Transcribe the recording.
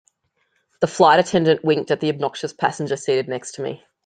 The flight attendant winked at the obnoxious passenger seated next to me.